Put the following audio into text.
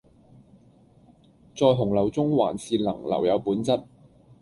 在洪流中還是能留有本質